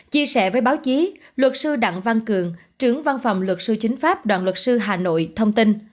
chia sẻ với báo chí luật sư đặng văn cường trưởng văn phòng luật sư chính pháp đoàn luật sư hà nội thông tin